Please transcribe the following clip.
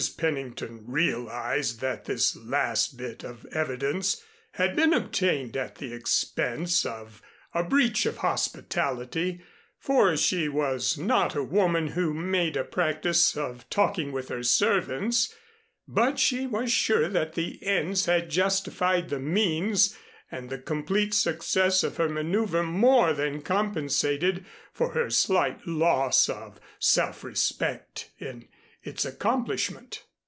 Pennington realized that this last bit of evidence had been obtained at the expense of a breach of hospitality, for she was not a woman who made a practice of talking with her servants, but she was sure that the ends had justified the means and the complete success of her maneuver more than compensated for her slight loss of self respect in its accomplishment.